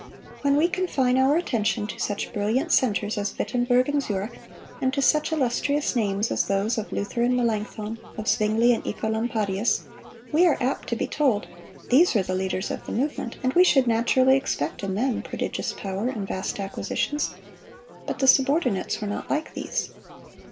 When we confine our attention to such brilliant centers as Wittenberg and Zurich, and to such illustrious names as those of Luther and Melanchthon, of Zwingle and Œcolampadius, we are apt to be told, these were the leaders of the movement, and we should naturally expect in them prodigious power and vast acquisitions; but the subordinates were not like these.